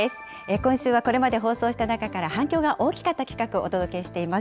今週はこれまで放送した中から反響が大きかった企画、お届けしています。